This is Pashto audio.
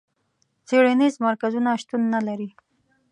څېړنیز مرکزونه شتون نه لري.